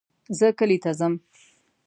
زه کلي ته ځم